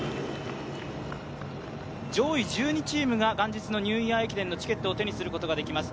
上位１２チームが元日のニューイヤー駅伝のチケットを手にすることができます。